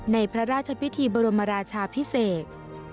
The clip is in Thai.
ในพระราชพิธีบรมราชาพิเศษ